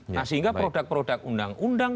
nah sehingga produk produk undang undang